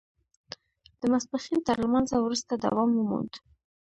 د ماسپښین تر لمانځه وروسته دوام وموند.